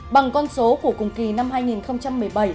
bằng con số của cùng kỳ năm hai nghìn một mươi bảy